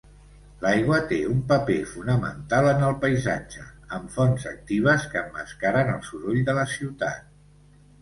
L'aigua té un paper fonamental en el paisatge, amb fonts actives que emmascaren el soroll de la ciutat.